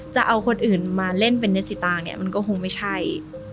จะเอาคนอื่นมาเล่นเป็นเน็ตสิตางเนี่ยมันก็คงไม่ใช่